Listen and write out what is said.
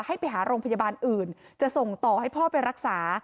ให้ไปหาโรงพยาบาลอื่นจะส่งต่อให้พ่อไปรักษา